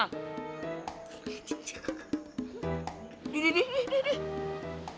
tidih dih dih dih